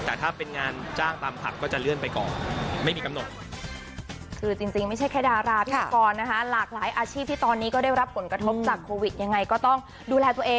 แต่ถ้าเป็นงานจ้างตามผับก็จะเลื่อนไปก่อนไม่มีกำหนด